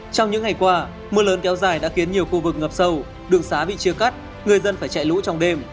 trong những ngày qua mưa lớn kéo dài đã khiến nhiều khu vực ngập sâu đường xá bị chia cắt người dân phải chạy lũ trong đêm